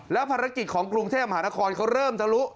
ภารกิจของกรุงเทพมหานครเขาเริ่มทะลุ